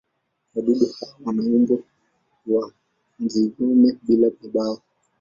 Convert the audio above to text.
Wadudu hawa wana umbo wa nzi-gome bila mabawa.